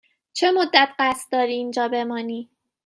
چه مدت قصد داری اینجا بمانی؟